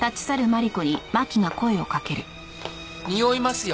においますよ。